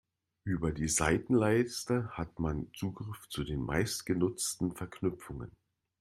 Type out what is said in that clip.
Über die Seitenleiste hat man Zugriff zu den meistgenutzten Verknüpfungen.